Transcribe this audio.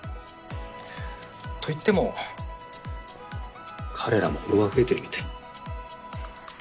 と言っても彼らもフォロワー増えてるみたい。